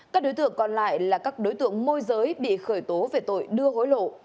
các đối tượng còn lại là các đối tượng môi giới bị khởi tố về tội đưa hối lộ